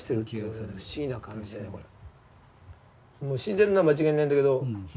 死んでるのは間違いないんだけど。